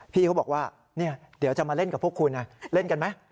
พี่เขาบอกว่าเดี๋ยวจะมาเล่นกับพวกคุณเล่นกันไหม